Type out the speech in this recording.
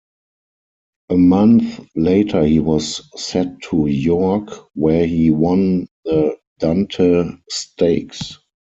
A month later he was set to York where he won the Dante Stakes.